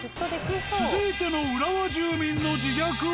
続いての浦和住民の自虐は。